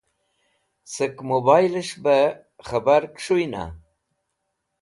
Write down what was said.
Sẽk mẽboylẽsh bẽ k̃hẽbar kẽs̃hũna?